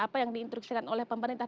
apa yang diinstruksikan oleh pemerintah